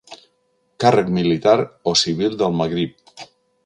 Càrrec militar o civil del Magrib.